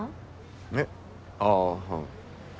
えっ？ああ。